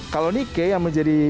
kalau nikkei yang menjadi